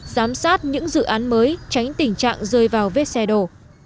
giám sát những dự án mới tránh tình trạng rơi vào vết xe đổ